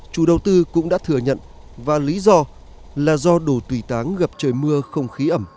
chủ đầu tư cũng đã thừa nhận và lý do là do đồ tùy táng gặp trời mưa không khí ẩm